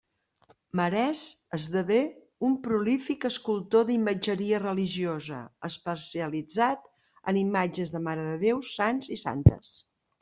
Marès esdevé un prolífic escultor d'imatgeria religiosa, especialitzat en imatges de marededéus, sants i santes.